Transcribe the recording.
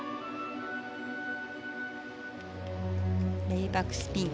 レイバックスピン。